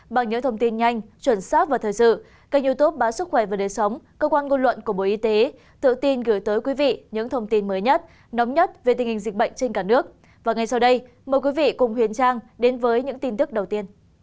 và ngay sau đây mời quý vị cùng huyền trang đến với những tin tức đầu tiên